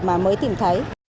mà mới tìm thấy